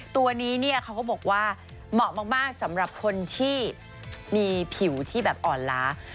ตัวนี้เขาก็บอกว่าเหมาะมากสำหรับคนที่มีผิวอ่อนล้า